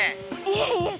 いえいえ